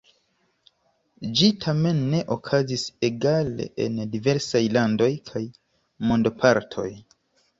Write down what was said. Ĝi tamen ne okazis egale en diversaj landoj kaj mondopartoj.